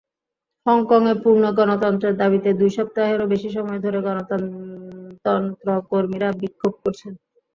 হংকংয়ে পূর্ণ গণতন্ত্রের দাবিতে দুই সপ্তাহেরও বেশি সময় ধরে গণতন্ত্রকামীরা বিক্ষোভ করছেন।